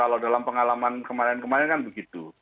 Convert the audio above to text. kalau dalam pengalaman kemarin kemarin kan begitu